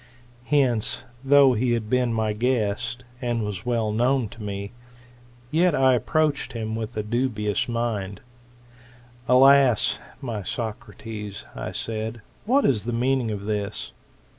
Hence, though he had been my guest, and was well known to me,, yet I approached him with a dubious mind. Alas I my Socrates, I said, what is the meaning of this?